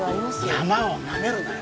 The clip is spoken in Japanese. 山をナメるなよ